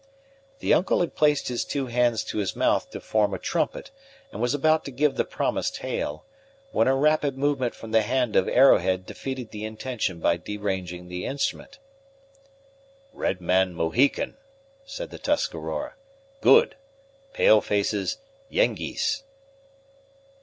The uncle had placed his two hands to his mouth to form a trumpet, and was about to give the promised hail, when a rapid movement from the hand of Arrowhead defeated the intention by deranging the instrument. "Red man, Mohican," said the Tuscarora; "good; pale faces, Yengeese."